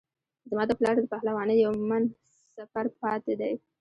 زما د پلار د پهلوانۍ یو من سپر پاته دی.